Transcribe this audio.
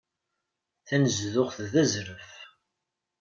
Tanezduɣt d azref.